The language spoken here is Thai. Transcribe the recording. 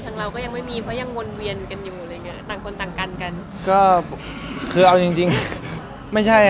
ทางเราก็ยังไม่มีเพราะยังวนเวียนอยู่อะไรอย่างนี้